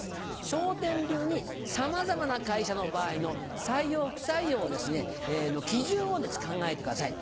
笑点流にさまざまな会社の場合の採用不採用の基準を考えてください。